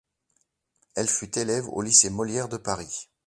Elle fut élève au lycée Molière de Paris.